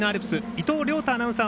伊藤亮太アナウンサー